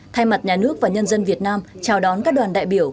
thay mặt nhà nước và nhân dân việt nam chào đón các đoàn đại biểu